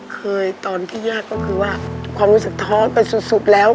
เคยตอนที่ยากก็คือว่าความรู้สึกท้อนไปสุดแล้ว